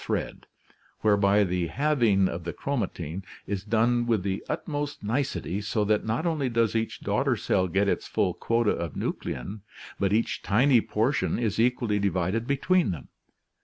thread), whereby the halving of the chromatin is done with the utmost nicety, so that not only does each daughter cell get its full quota of nuclein, but each tiny portion is equally divided between them.